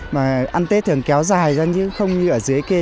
mà ăn tết thường kéo dài ra chứ không như ở dưới cây